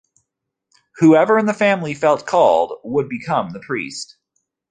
Whoever in the family felt called would become the priest.